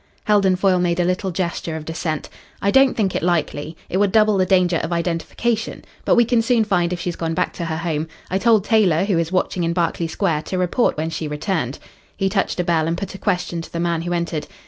Heldon Foyle made a little gesture of dissent. "I don't think it likely. It would double the danger of identification. But we can soon find if she's gone back to her home. I told Taylor, who is watching in Berkeley Square, to report when she returned." He touched a bell and put a question to the man who entered.